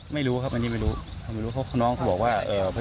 ไม่รู้ครับอันนี้ไม่รู้ไม่รู้เพราะน้องเขาบอกว่า